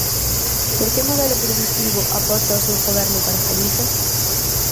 ¿Por que modelo produtivo aposta o seu goberno para Galiza?